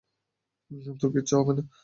তোর কিচ্ছু হবে না।